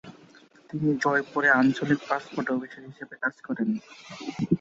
তিনি জয়পুরে আঞ্চলিক পাসপোর্ট অফিসার হিসেবেও কাজ করেন।